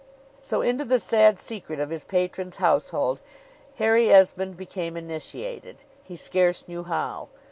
So, into the sad secret of his patron's household, Harry Esmond became initiated, he scarce knew how.